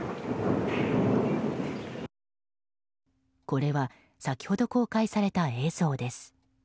これは先ほど公開された映像です。